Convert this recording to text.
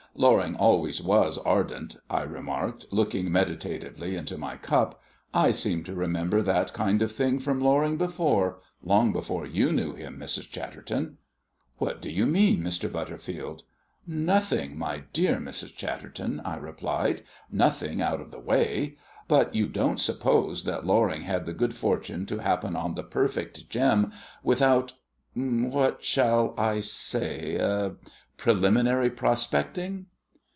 "Loring always was ardent," I remarked, looking meditatively into my cup. "I seem to remember that kind of thing from Loring before. Long before you knew him, Mrs. Chatterton." "What do you mean, Mr. Butterfield?" "Nothing, my dear Mrs. Chatterton," I replied. "Nothing out of the way. But you don't suppose that Loring had the good fortune to happen on the perfect gem without what shall I say? preliminary prospecting?"